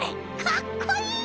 かっこいい！